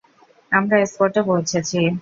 আমরা স্পটে পৌঁছেছি।